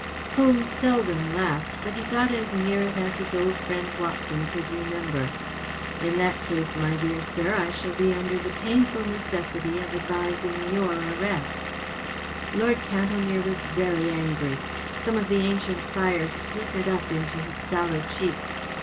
Holmes seldom laughed, but he got as near it as his old friend Watson could remember. " In that case, my dear sir, I shall be under the painful necessity of advising your arrest." the Mazarin Stone Lord Cantlemere was very angry. Some of the ancient fires flickered up into his sallow cheeks.